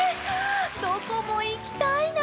どこもいきたいな。